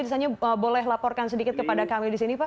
misalnya boleh laporkan sedikit kepada kami di sini pak